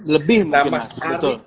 lebih mungkin mas ari